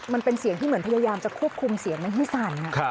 มันเป็นเสียงที่เหมือนพยายามจะควบคุมเสียงไม่ให้สั่น